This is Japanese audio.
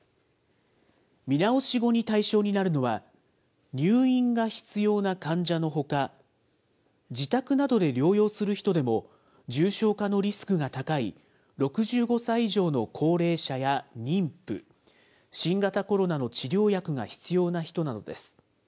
見直し後に対象になるのは、入院が必要な患者のほか、自宅などで療養する人でも、重症化のリスクが高い６５歳以上の高齢者や妊婦、新型コロナの治療薬が必要な人などです。